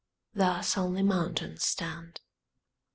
Thus only mountains stand.